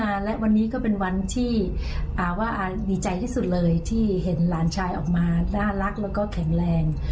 อ่านีใจที่สุดเลยที่เห็นหลานชายออกมาน่ารักแล้วก็แข็งแรง